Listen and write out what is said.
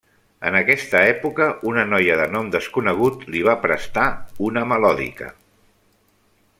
En aquesta època una noia de nom desconegut li va prestar una melòdica.